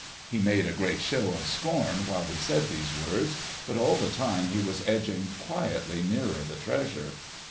He made a great show of scorn while he said these words, but all the time he was edging quietly nearer the treasure.